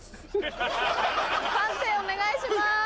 判定お願いします。